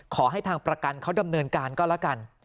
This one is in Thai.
ขอให้ทางประกันเขาดำเนินการก็แล้วกัน